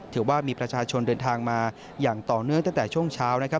ถือว่ามีประชาชนเดินทางมาอย่างต่อเนื่องตั้งแต่ช่วงเช้านะครับ